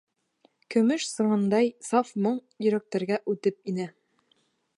Көмөш сыңындай саф моң йөрәктәргә үтеп инә.